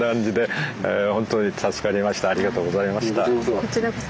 いえこちらこそ。